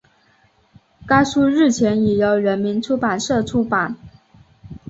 该书日前已由人民出版社出版